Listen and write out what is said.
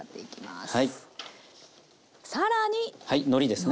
はいのりですね。